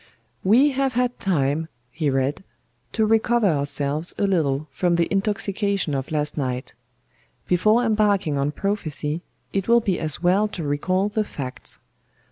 "We have had time," he read, "to recover ourselves a little from the intoxication of last night. Before embarking on prophecy, it will be as well to recall the facts.